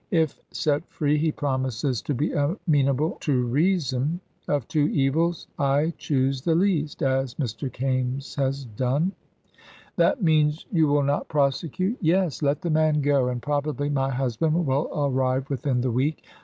If set free he promises to be amenable to reason. Of two evils I choose the least, as Mr. Kaimes has done." "That means you will not prosecute?" "Yes. Let the man go, and probably my husband will arrive within the week.